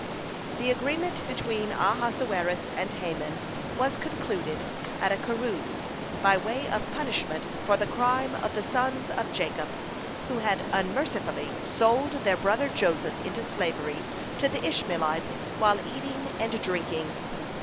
(117) The agreement between Ahasuerus and Haman was concluded at a carouse, by way of punishment for the crime of the sons of Jacob, who had unmercifully sold their brother Joseph into slavery to the Ishmaelites while eating and drinking.